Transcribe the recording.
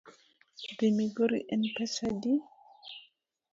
Dhi migori en pesa adi?